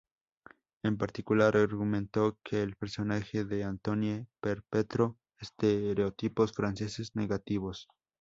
En particular, argumentó que el personaje de Antoine perpetró estereotipos franceses negativos.